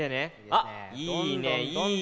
あっいいねいいね。